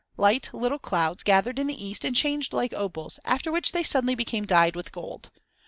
Light little clouds gathered in the east and changed like opals, after which they suddenly became dyed with gold.